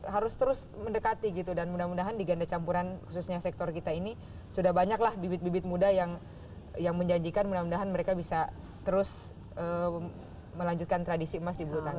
harus terus mendekati gitu dan mudah mudahan di ganda campuran khususnya sektor kita ini sudah banyaklah bibit bibit muda yang menjanjikan mudah mudahan mereka bisa terus melanjutkan tradisi emas di bulu tangki